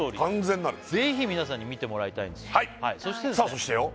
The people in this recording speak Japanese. ぜひみなさんに見てもらいたいんですそしてですね